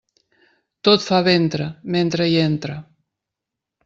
Tot fa ventre, mentre hi entre.